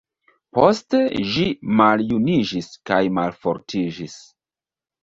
Poste ĝi maljuniĝis kaj malfortiĝis.